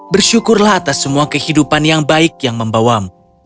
bersyukurlah atas semua kehidupan yang baik yang membawa mereka ke dunia